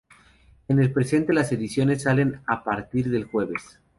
En el presente las ediciones salen a partir del jueves.